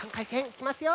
いきますよ。